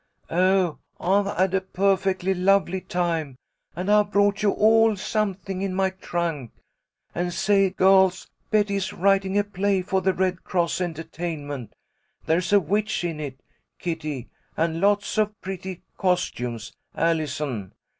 "Oh, I've had a perfectly lovely time, and I've brought you all something in my trunk. And say, girls, Betty is writing a play for the Red Cross entertainment. There's a witch in it, Kitty, and lots of pretty costumes, Allison.